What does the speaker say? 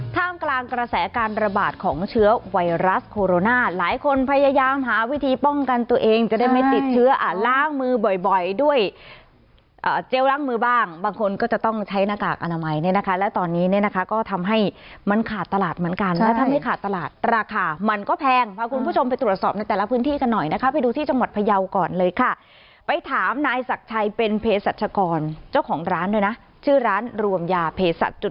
ท่ามกลางกระแสการระบาดของเชื้อไวรัสโคโรน่าหลายคนพยายามหาวิธีป้องกันตัวเองจะได้ไม่ติดเชื้ออ่ะล้างมือบ่อยบ่อยด้วยอ่าเจลล้างมือบ้างบางคนก็จะต้องใช้หน้ากากอนามัยเนี้ยนะคะแล้วตอนนี้เนี้ยนะคะก็ทำให้มันขาดตลาดเหมือนกันใช่แล้วทำให้ขาดตลาดตราคามันก็แพงพาคุณผู้ชมไปตรวจสอบในแต่ละพื